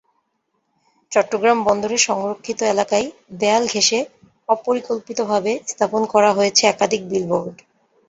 চট্টগ্রাম বন্দরের সংরক্ষিত এলাকায় দেয়াল ঘেঁষে অপরিকল্পিতভাবে স্থাপন করা হয়েছে একাধিক বিলবোর্ড।